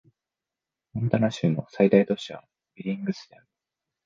モンタナ州の最大都市はビリングスである